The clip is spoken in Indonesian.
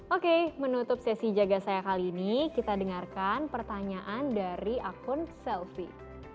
oke menutup sesi jaga saya kali ini kita dengarkan pertanyaan dari akun selfie